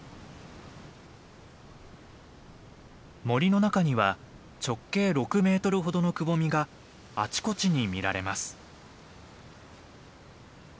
森の中には直径６メートルほどのくぼみがあちこちに見られます。